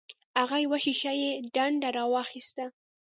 هغه یوه شیشه یي ډنډه راواخیسته.